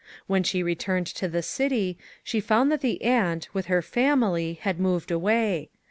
When she returned to the city, she found that the aunt, with her family, had moved away.